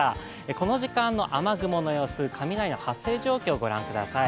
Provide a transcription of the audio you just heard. この時間の雨雲の様子、雷の発生状況、ご覧ください。